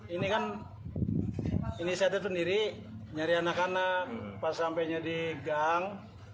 ini kan ini saya datang sendiri nyari anak anak pas sampainya di gang